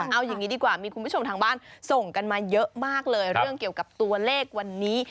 เอาอย่างนี้ดีกว่ามีคุณผู้ชมทางบ้านส่งกันมาเยอะมากเลยเรื่องเกี่ยวกับตัวเลขวันนี้